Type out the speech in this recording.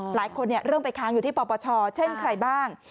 หลายคนเริ่มไปค้างอยู่ที่ปปชเช่นใครบ้าง